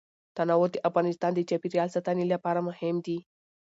تنوع د افغانستان د چاپیریال ساتنې لپاره مهم دي.